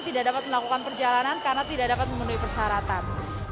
tidak dapat melakukan perjalanan karena tidak dapat memenuhi persyaratan